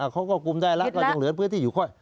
ควบคุมได้แล้วก็ยังเหลือพื้นที่อยู่ค่อย